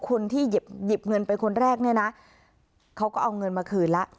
คนที่หยิบเงินไปคนแรกเนี่ยนะเขาก็เอาเงินมาคืนแล้ว